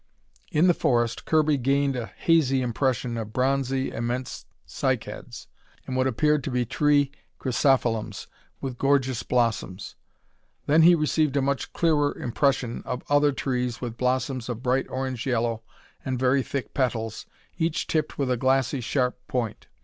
In the forest, Kirby gained a hazy impression of bronzy, immense cycads and what appeared to be tree chrysophilums with gorgeous blossoms. Then he received a much clearer impression of other trees with blossoms of bright orange yellow and very thick petals, each tipped with a glassy sharp point.